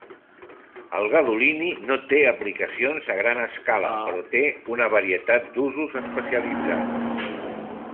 El gadolini no té aplicacions a gran escala però té una varietat d'usos especialitzats.